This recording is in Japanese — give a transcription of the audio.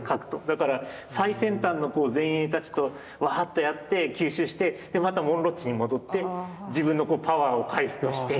だから最先端の前衛たちとワーッとやって吸収してまたモンロッチに戻って自分のパワーを回復して。